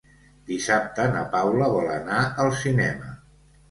Dissabte na Paula vol anar al cinema.